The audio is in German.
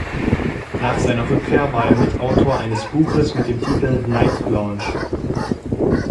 Nach seiner Rückkehr war er Mitautor eines Buches mit dem Titel "Night Launch".